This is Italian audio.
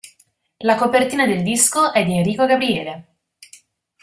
La copertina del disco è di Enrico Gabriele.